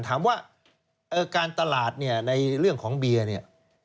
ถามว่าการตลาดในเรื่องของเบียนี่